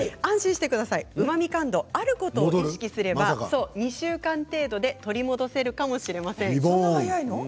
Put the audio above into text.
うまみ感度、あることを意識すれば２週間程度で取り戻せるかもしれません。